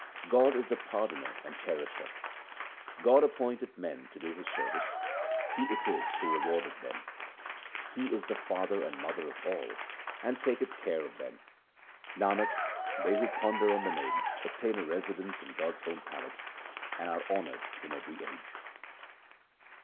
God is the Pardoner and Cherisher :— God appointeth men to do His service ; He it is who rewardeth them. He is the Father and Mother of all, and taketh care of them. Nanak, they who ponder on the Name obtain a residence in God's own palace and are honoured in every age.